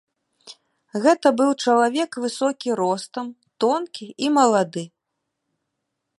Гэта быў чалавек высокі ростам, тонкі і малады.